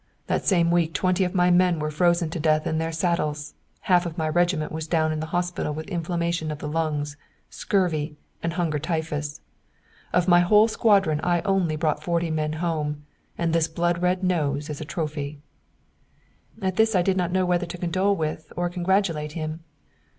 That same week twenty of my men were frozen to death in their saddles, half of my regiment was down in the hospital with inflammation of the lungs, scurvy, and hunger typhus. Of my whole squadron I only brought forty men home and this blood red nose as a trophy." At this I did not know whether to condole with or congratulate him.